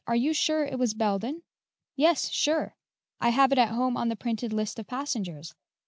Are you sure it was Belden?" "Yes, sure; I have it at home in the printed list of passengers.